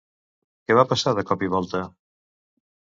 Què va passar, de cop i volta?